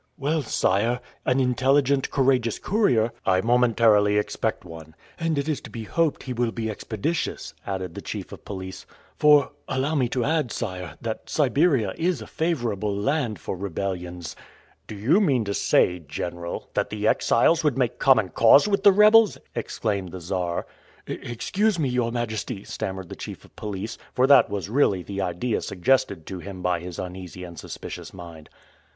"Well, sire, an intelligent, courageous courier..." "I momentarily expect one." "And it is to be hoped he will be expeditious," added the chief of police; "for, allow me to add, sire, that Siberia is a favorable land for rebellions." "Do you mean to say. General, that the exiles would make common cause with the rebels?" exclaimed the Czar. "Excuse me, your majesty," stammered the chief of police, for that was really the idea suggested to him by his uneasy and suspicious mind.